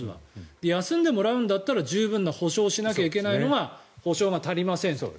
で、休んでもらうんだったら十分な補償をしなきゃいけないのが補償が足りませんと。